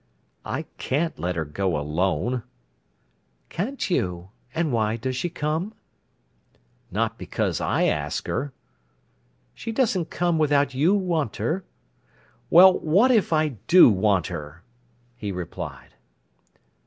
"I can't let her go alone." "Can't you? And why does she come?" "Not because I ask her." "She doesn't come without you want her—" "Well, what if I do want her—" he replied.